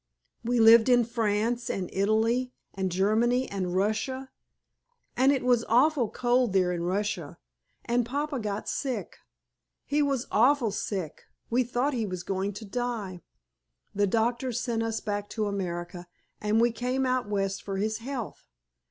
We lived in France and Italy and Germany and Russia, and it was awful cold there in Russia, and Papa took sick. He was awfully sick, we thought he was going to die. The doctors sent us back to America, and we came out West for his health.